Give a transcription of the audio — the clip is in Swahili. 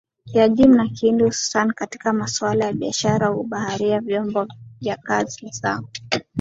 Kiajemi na Kihindi hususani katika masuala ya biashara ubaharia vyombo vya kazi zao